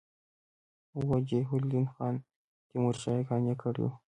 وجیه الدین خان تیمورشاه یې قانع کړی وو.